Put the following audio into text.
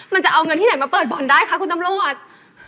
มันจะเอาเงินที่ไหนมาเปิดบ่อนได้คะคุณตำรวจ